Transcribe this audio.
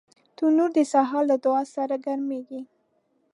تنور د سهار له دعا سره ګرمېږي